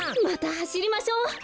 またはしりましょう！